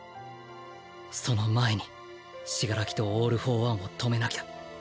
その前に死柄木とオール・フォー・ワンを止めなきゃ。